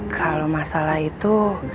kalau masalah itu